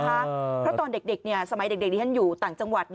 เพราะตอนเด็กสมัยเด็กที่ฉันอยู่ต่างจังหวัด